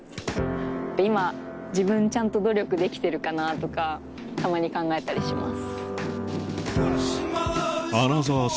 今自分ちゃんと努力できてるかなとかたまに考えたりします。